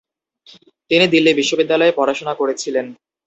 তিনি দিল্লী বিশ্ববিদ্যালয়ে পড়াশোনা করেছিলেন।